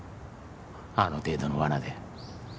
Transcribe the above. あの程度の罠で。